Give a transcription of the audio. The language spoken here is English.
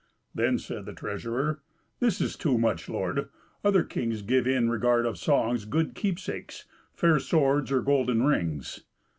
Then said the treasurer, "This is too much, lord; other kings give in regard of songs good keepsakes, fair swords, or golden rings."